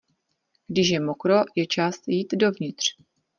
Když je mokro, je čas jít dovnitř.